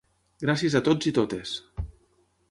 Gràcies a tots i totes!